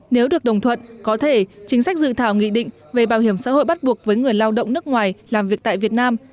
nếu được đồng thuận có thể chính sách dự thảo nghị định về bảo hiểm xã hội bắt buộc với người lao động nước ngoài làm việc tại việt nam